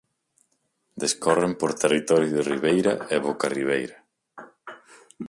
Descorren por territorio de ribeira e bocarribeira.